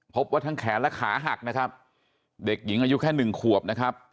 พบว่าทั้งแขนและขาหักนะครับเด็กหญิงอายุแค่หนึ่งขวบนะครับ